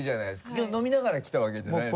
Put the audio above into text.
きょう飲みながら来たわけじゃないですか？